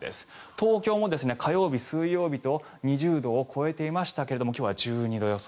東京も火曜日、水曜日と２０度を超えていましたが今日は１２度予想。